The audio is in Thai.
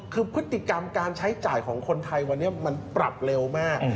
คือพฤติกรรมการใช้จ่ายของคนไทยวันนี้มันปรับเร็วมาก